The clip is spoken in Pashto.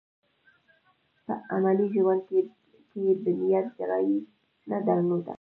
په عملي ژوند کې یې بنياد ګرايي نه درلوده.